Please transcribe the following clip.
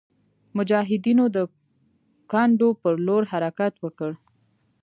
مجاهدینو د کنډو پر لور حرکت وکړ.